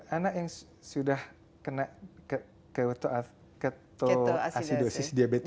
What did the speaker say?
anak yang sudah kena ketoasidosis diabetik ini